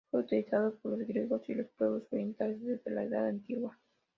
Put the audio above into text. Fue utilizado por los griegos y los pueblos orientales desde la Edad Antigua.